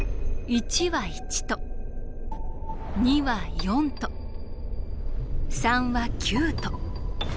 １は１と２は４と３は９と。